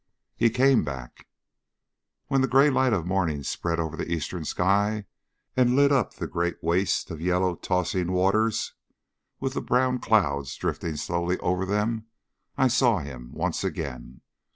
He came back. When the grey light of morning spread over the eastern sky, and lit up the great waste of yellow, tossing waters, with the brown clouds drifting swiftly over them, then I saw him once again.